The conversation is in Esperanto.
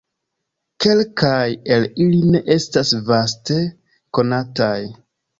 Kelkaj el ili ne estas vaste konataj.